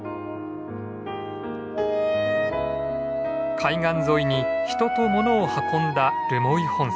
海岸沿いに人と物を運んだ留萌本線。